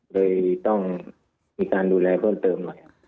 เลยต้องมีการดูแลเพิ่มเติมหน่อย